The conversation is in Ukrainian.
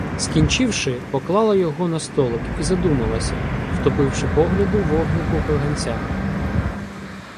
Скінчивши, поклала його на столик і задумалася, втопивши погляду вогнику каганця.